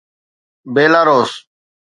Belarus